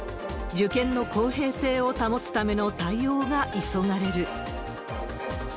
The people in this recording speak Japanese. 受験の公平性を保つための対応が急がれる。